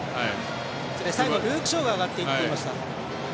最後、ルーク・ショーが上がっていって取りました。